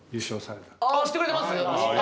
ああ知ってくれてます？